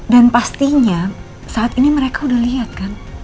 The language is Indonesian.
dan pastinya saat ini mereka udah liat kan